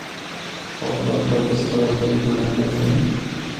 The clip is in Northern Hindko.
ہور برفا بچ راہ بھی بنڑیندے ہن۔